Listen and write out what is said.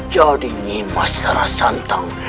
jadinya masyarakat santang